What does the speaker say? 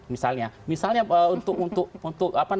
misalnya untuk pan